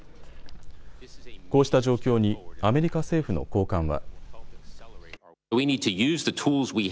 こうした状況にアメリカ政府の高官は。